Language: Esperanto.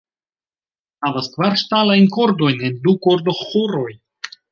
Ĝi havas kvar ŝtalajn kordojn en du kordoĥoroj.